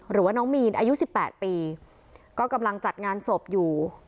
หรือว่าน้องมีนอายุสิบแปดปีก็กำลังจัดงานศพอยู่